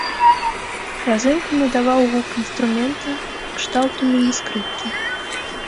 Разынку надаваў гук інструмента кшталту міні-скрыпкі.